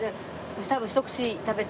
多分ひと口食べて。